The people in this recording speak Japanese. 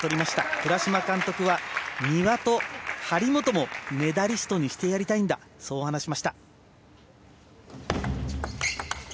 倉嶋監督は丹羽と張本もメダリストにしてやりたいんだと話しました。